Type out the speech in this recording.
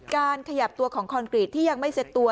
การขยับตัวของคอนกรีตที่ยังไม่เซ็ตตัว